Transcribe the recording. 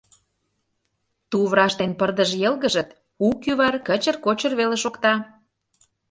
Тувраш ден пырдыж йылгыжыт, у кӱвар «кычыр-кочыр» веле шокта.